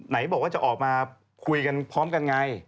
ไหนบอกว่าจะออกมาคุยกันพร้อมกันไง